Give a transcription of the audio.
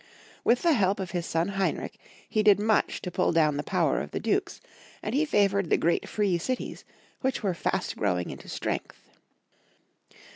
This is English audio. With the help of his son Heinrich, he did much to pull down 104 Heinrich lU. 106 the power of the dukes, and he favored the great free cities, which were fast growing into strength.